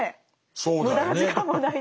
そうだよね。